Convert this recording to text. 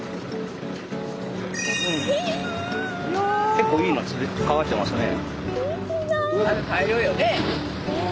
結構いいのかかってますね。